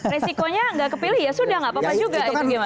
resikonya gak kepilih ya sudah gak apa apa juga